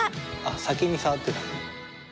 先に触ってたんだ。